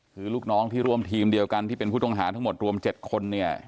คือลูกน้องที่ร่วมทีมเดียวกันที่เป็นผู้ต้องหาทั้งหมดรวม๗คนเนี่ย